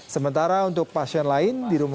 sementara untuk pasien lain